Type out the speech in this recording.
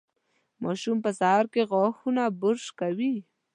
ماشوم په سهار کې غاښونه برش کوي.